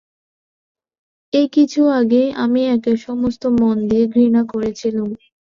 এই কিছু-আগেই আমি একে সমস্ত মন দিয়ে ঘৃণা করেছিলুম।